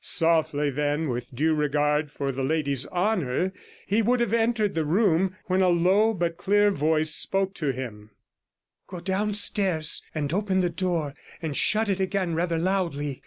Softly, then, with due regard for the lady's honour, he would have entered the room, when a low but clear voice spoke to him 'Go downstairs and open the door and shut it again rather loudly.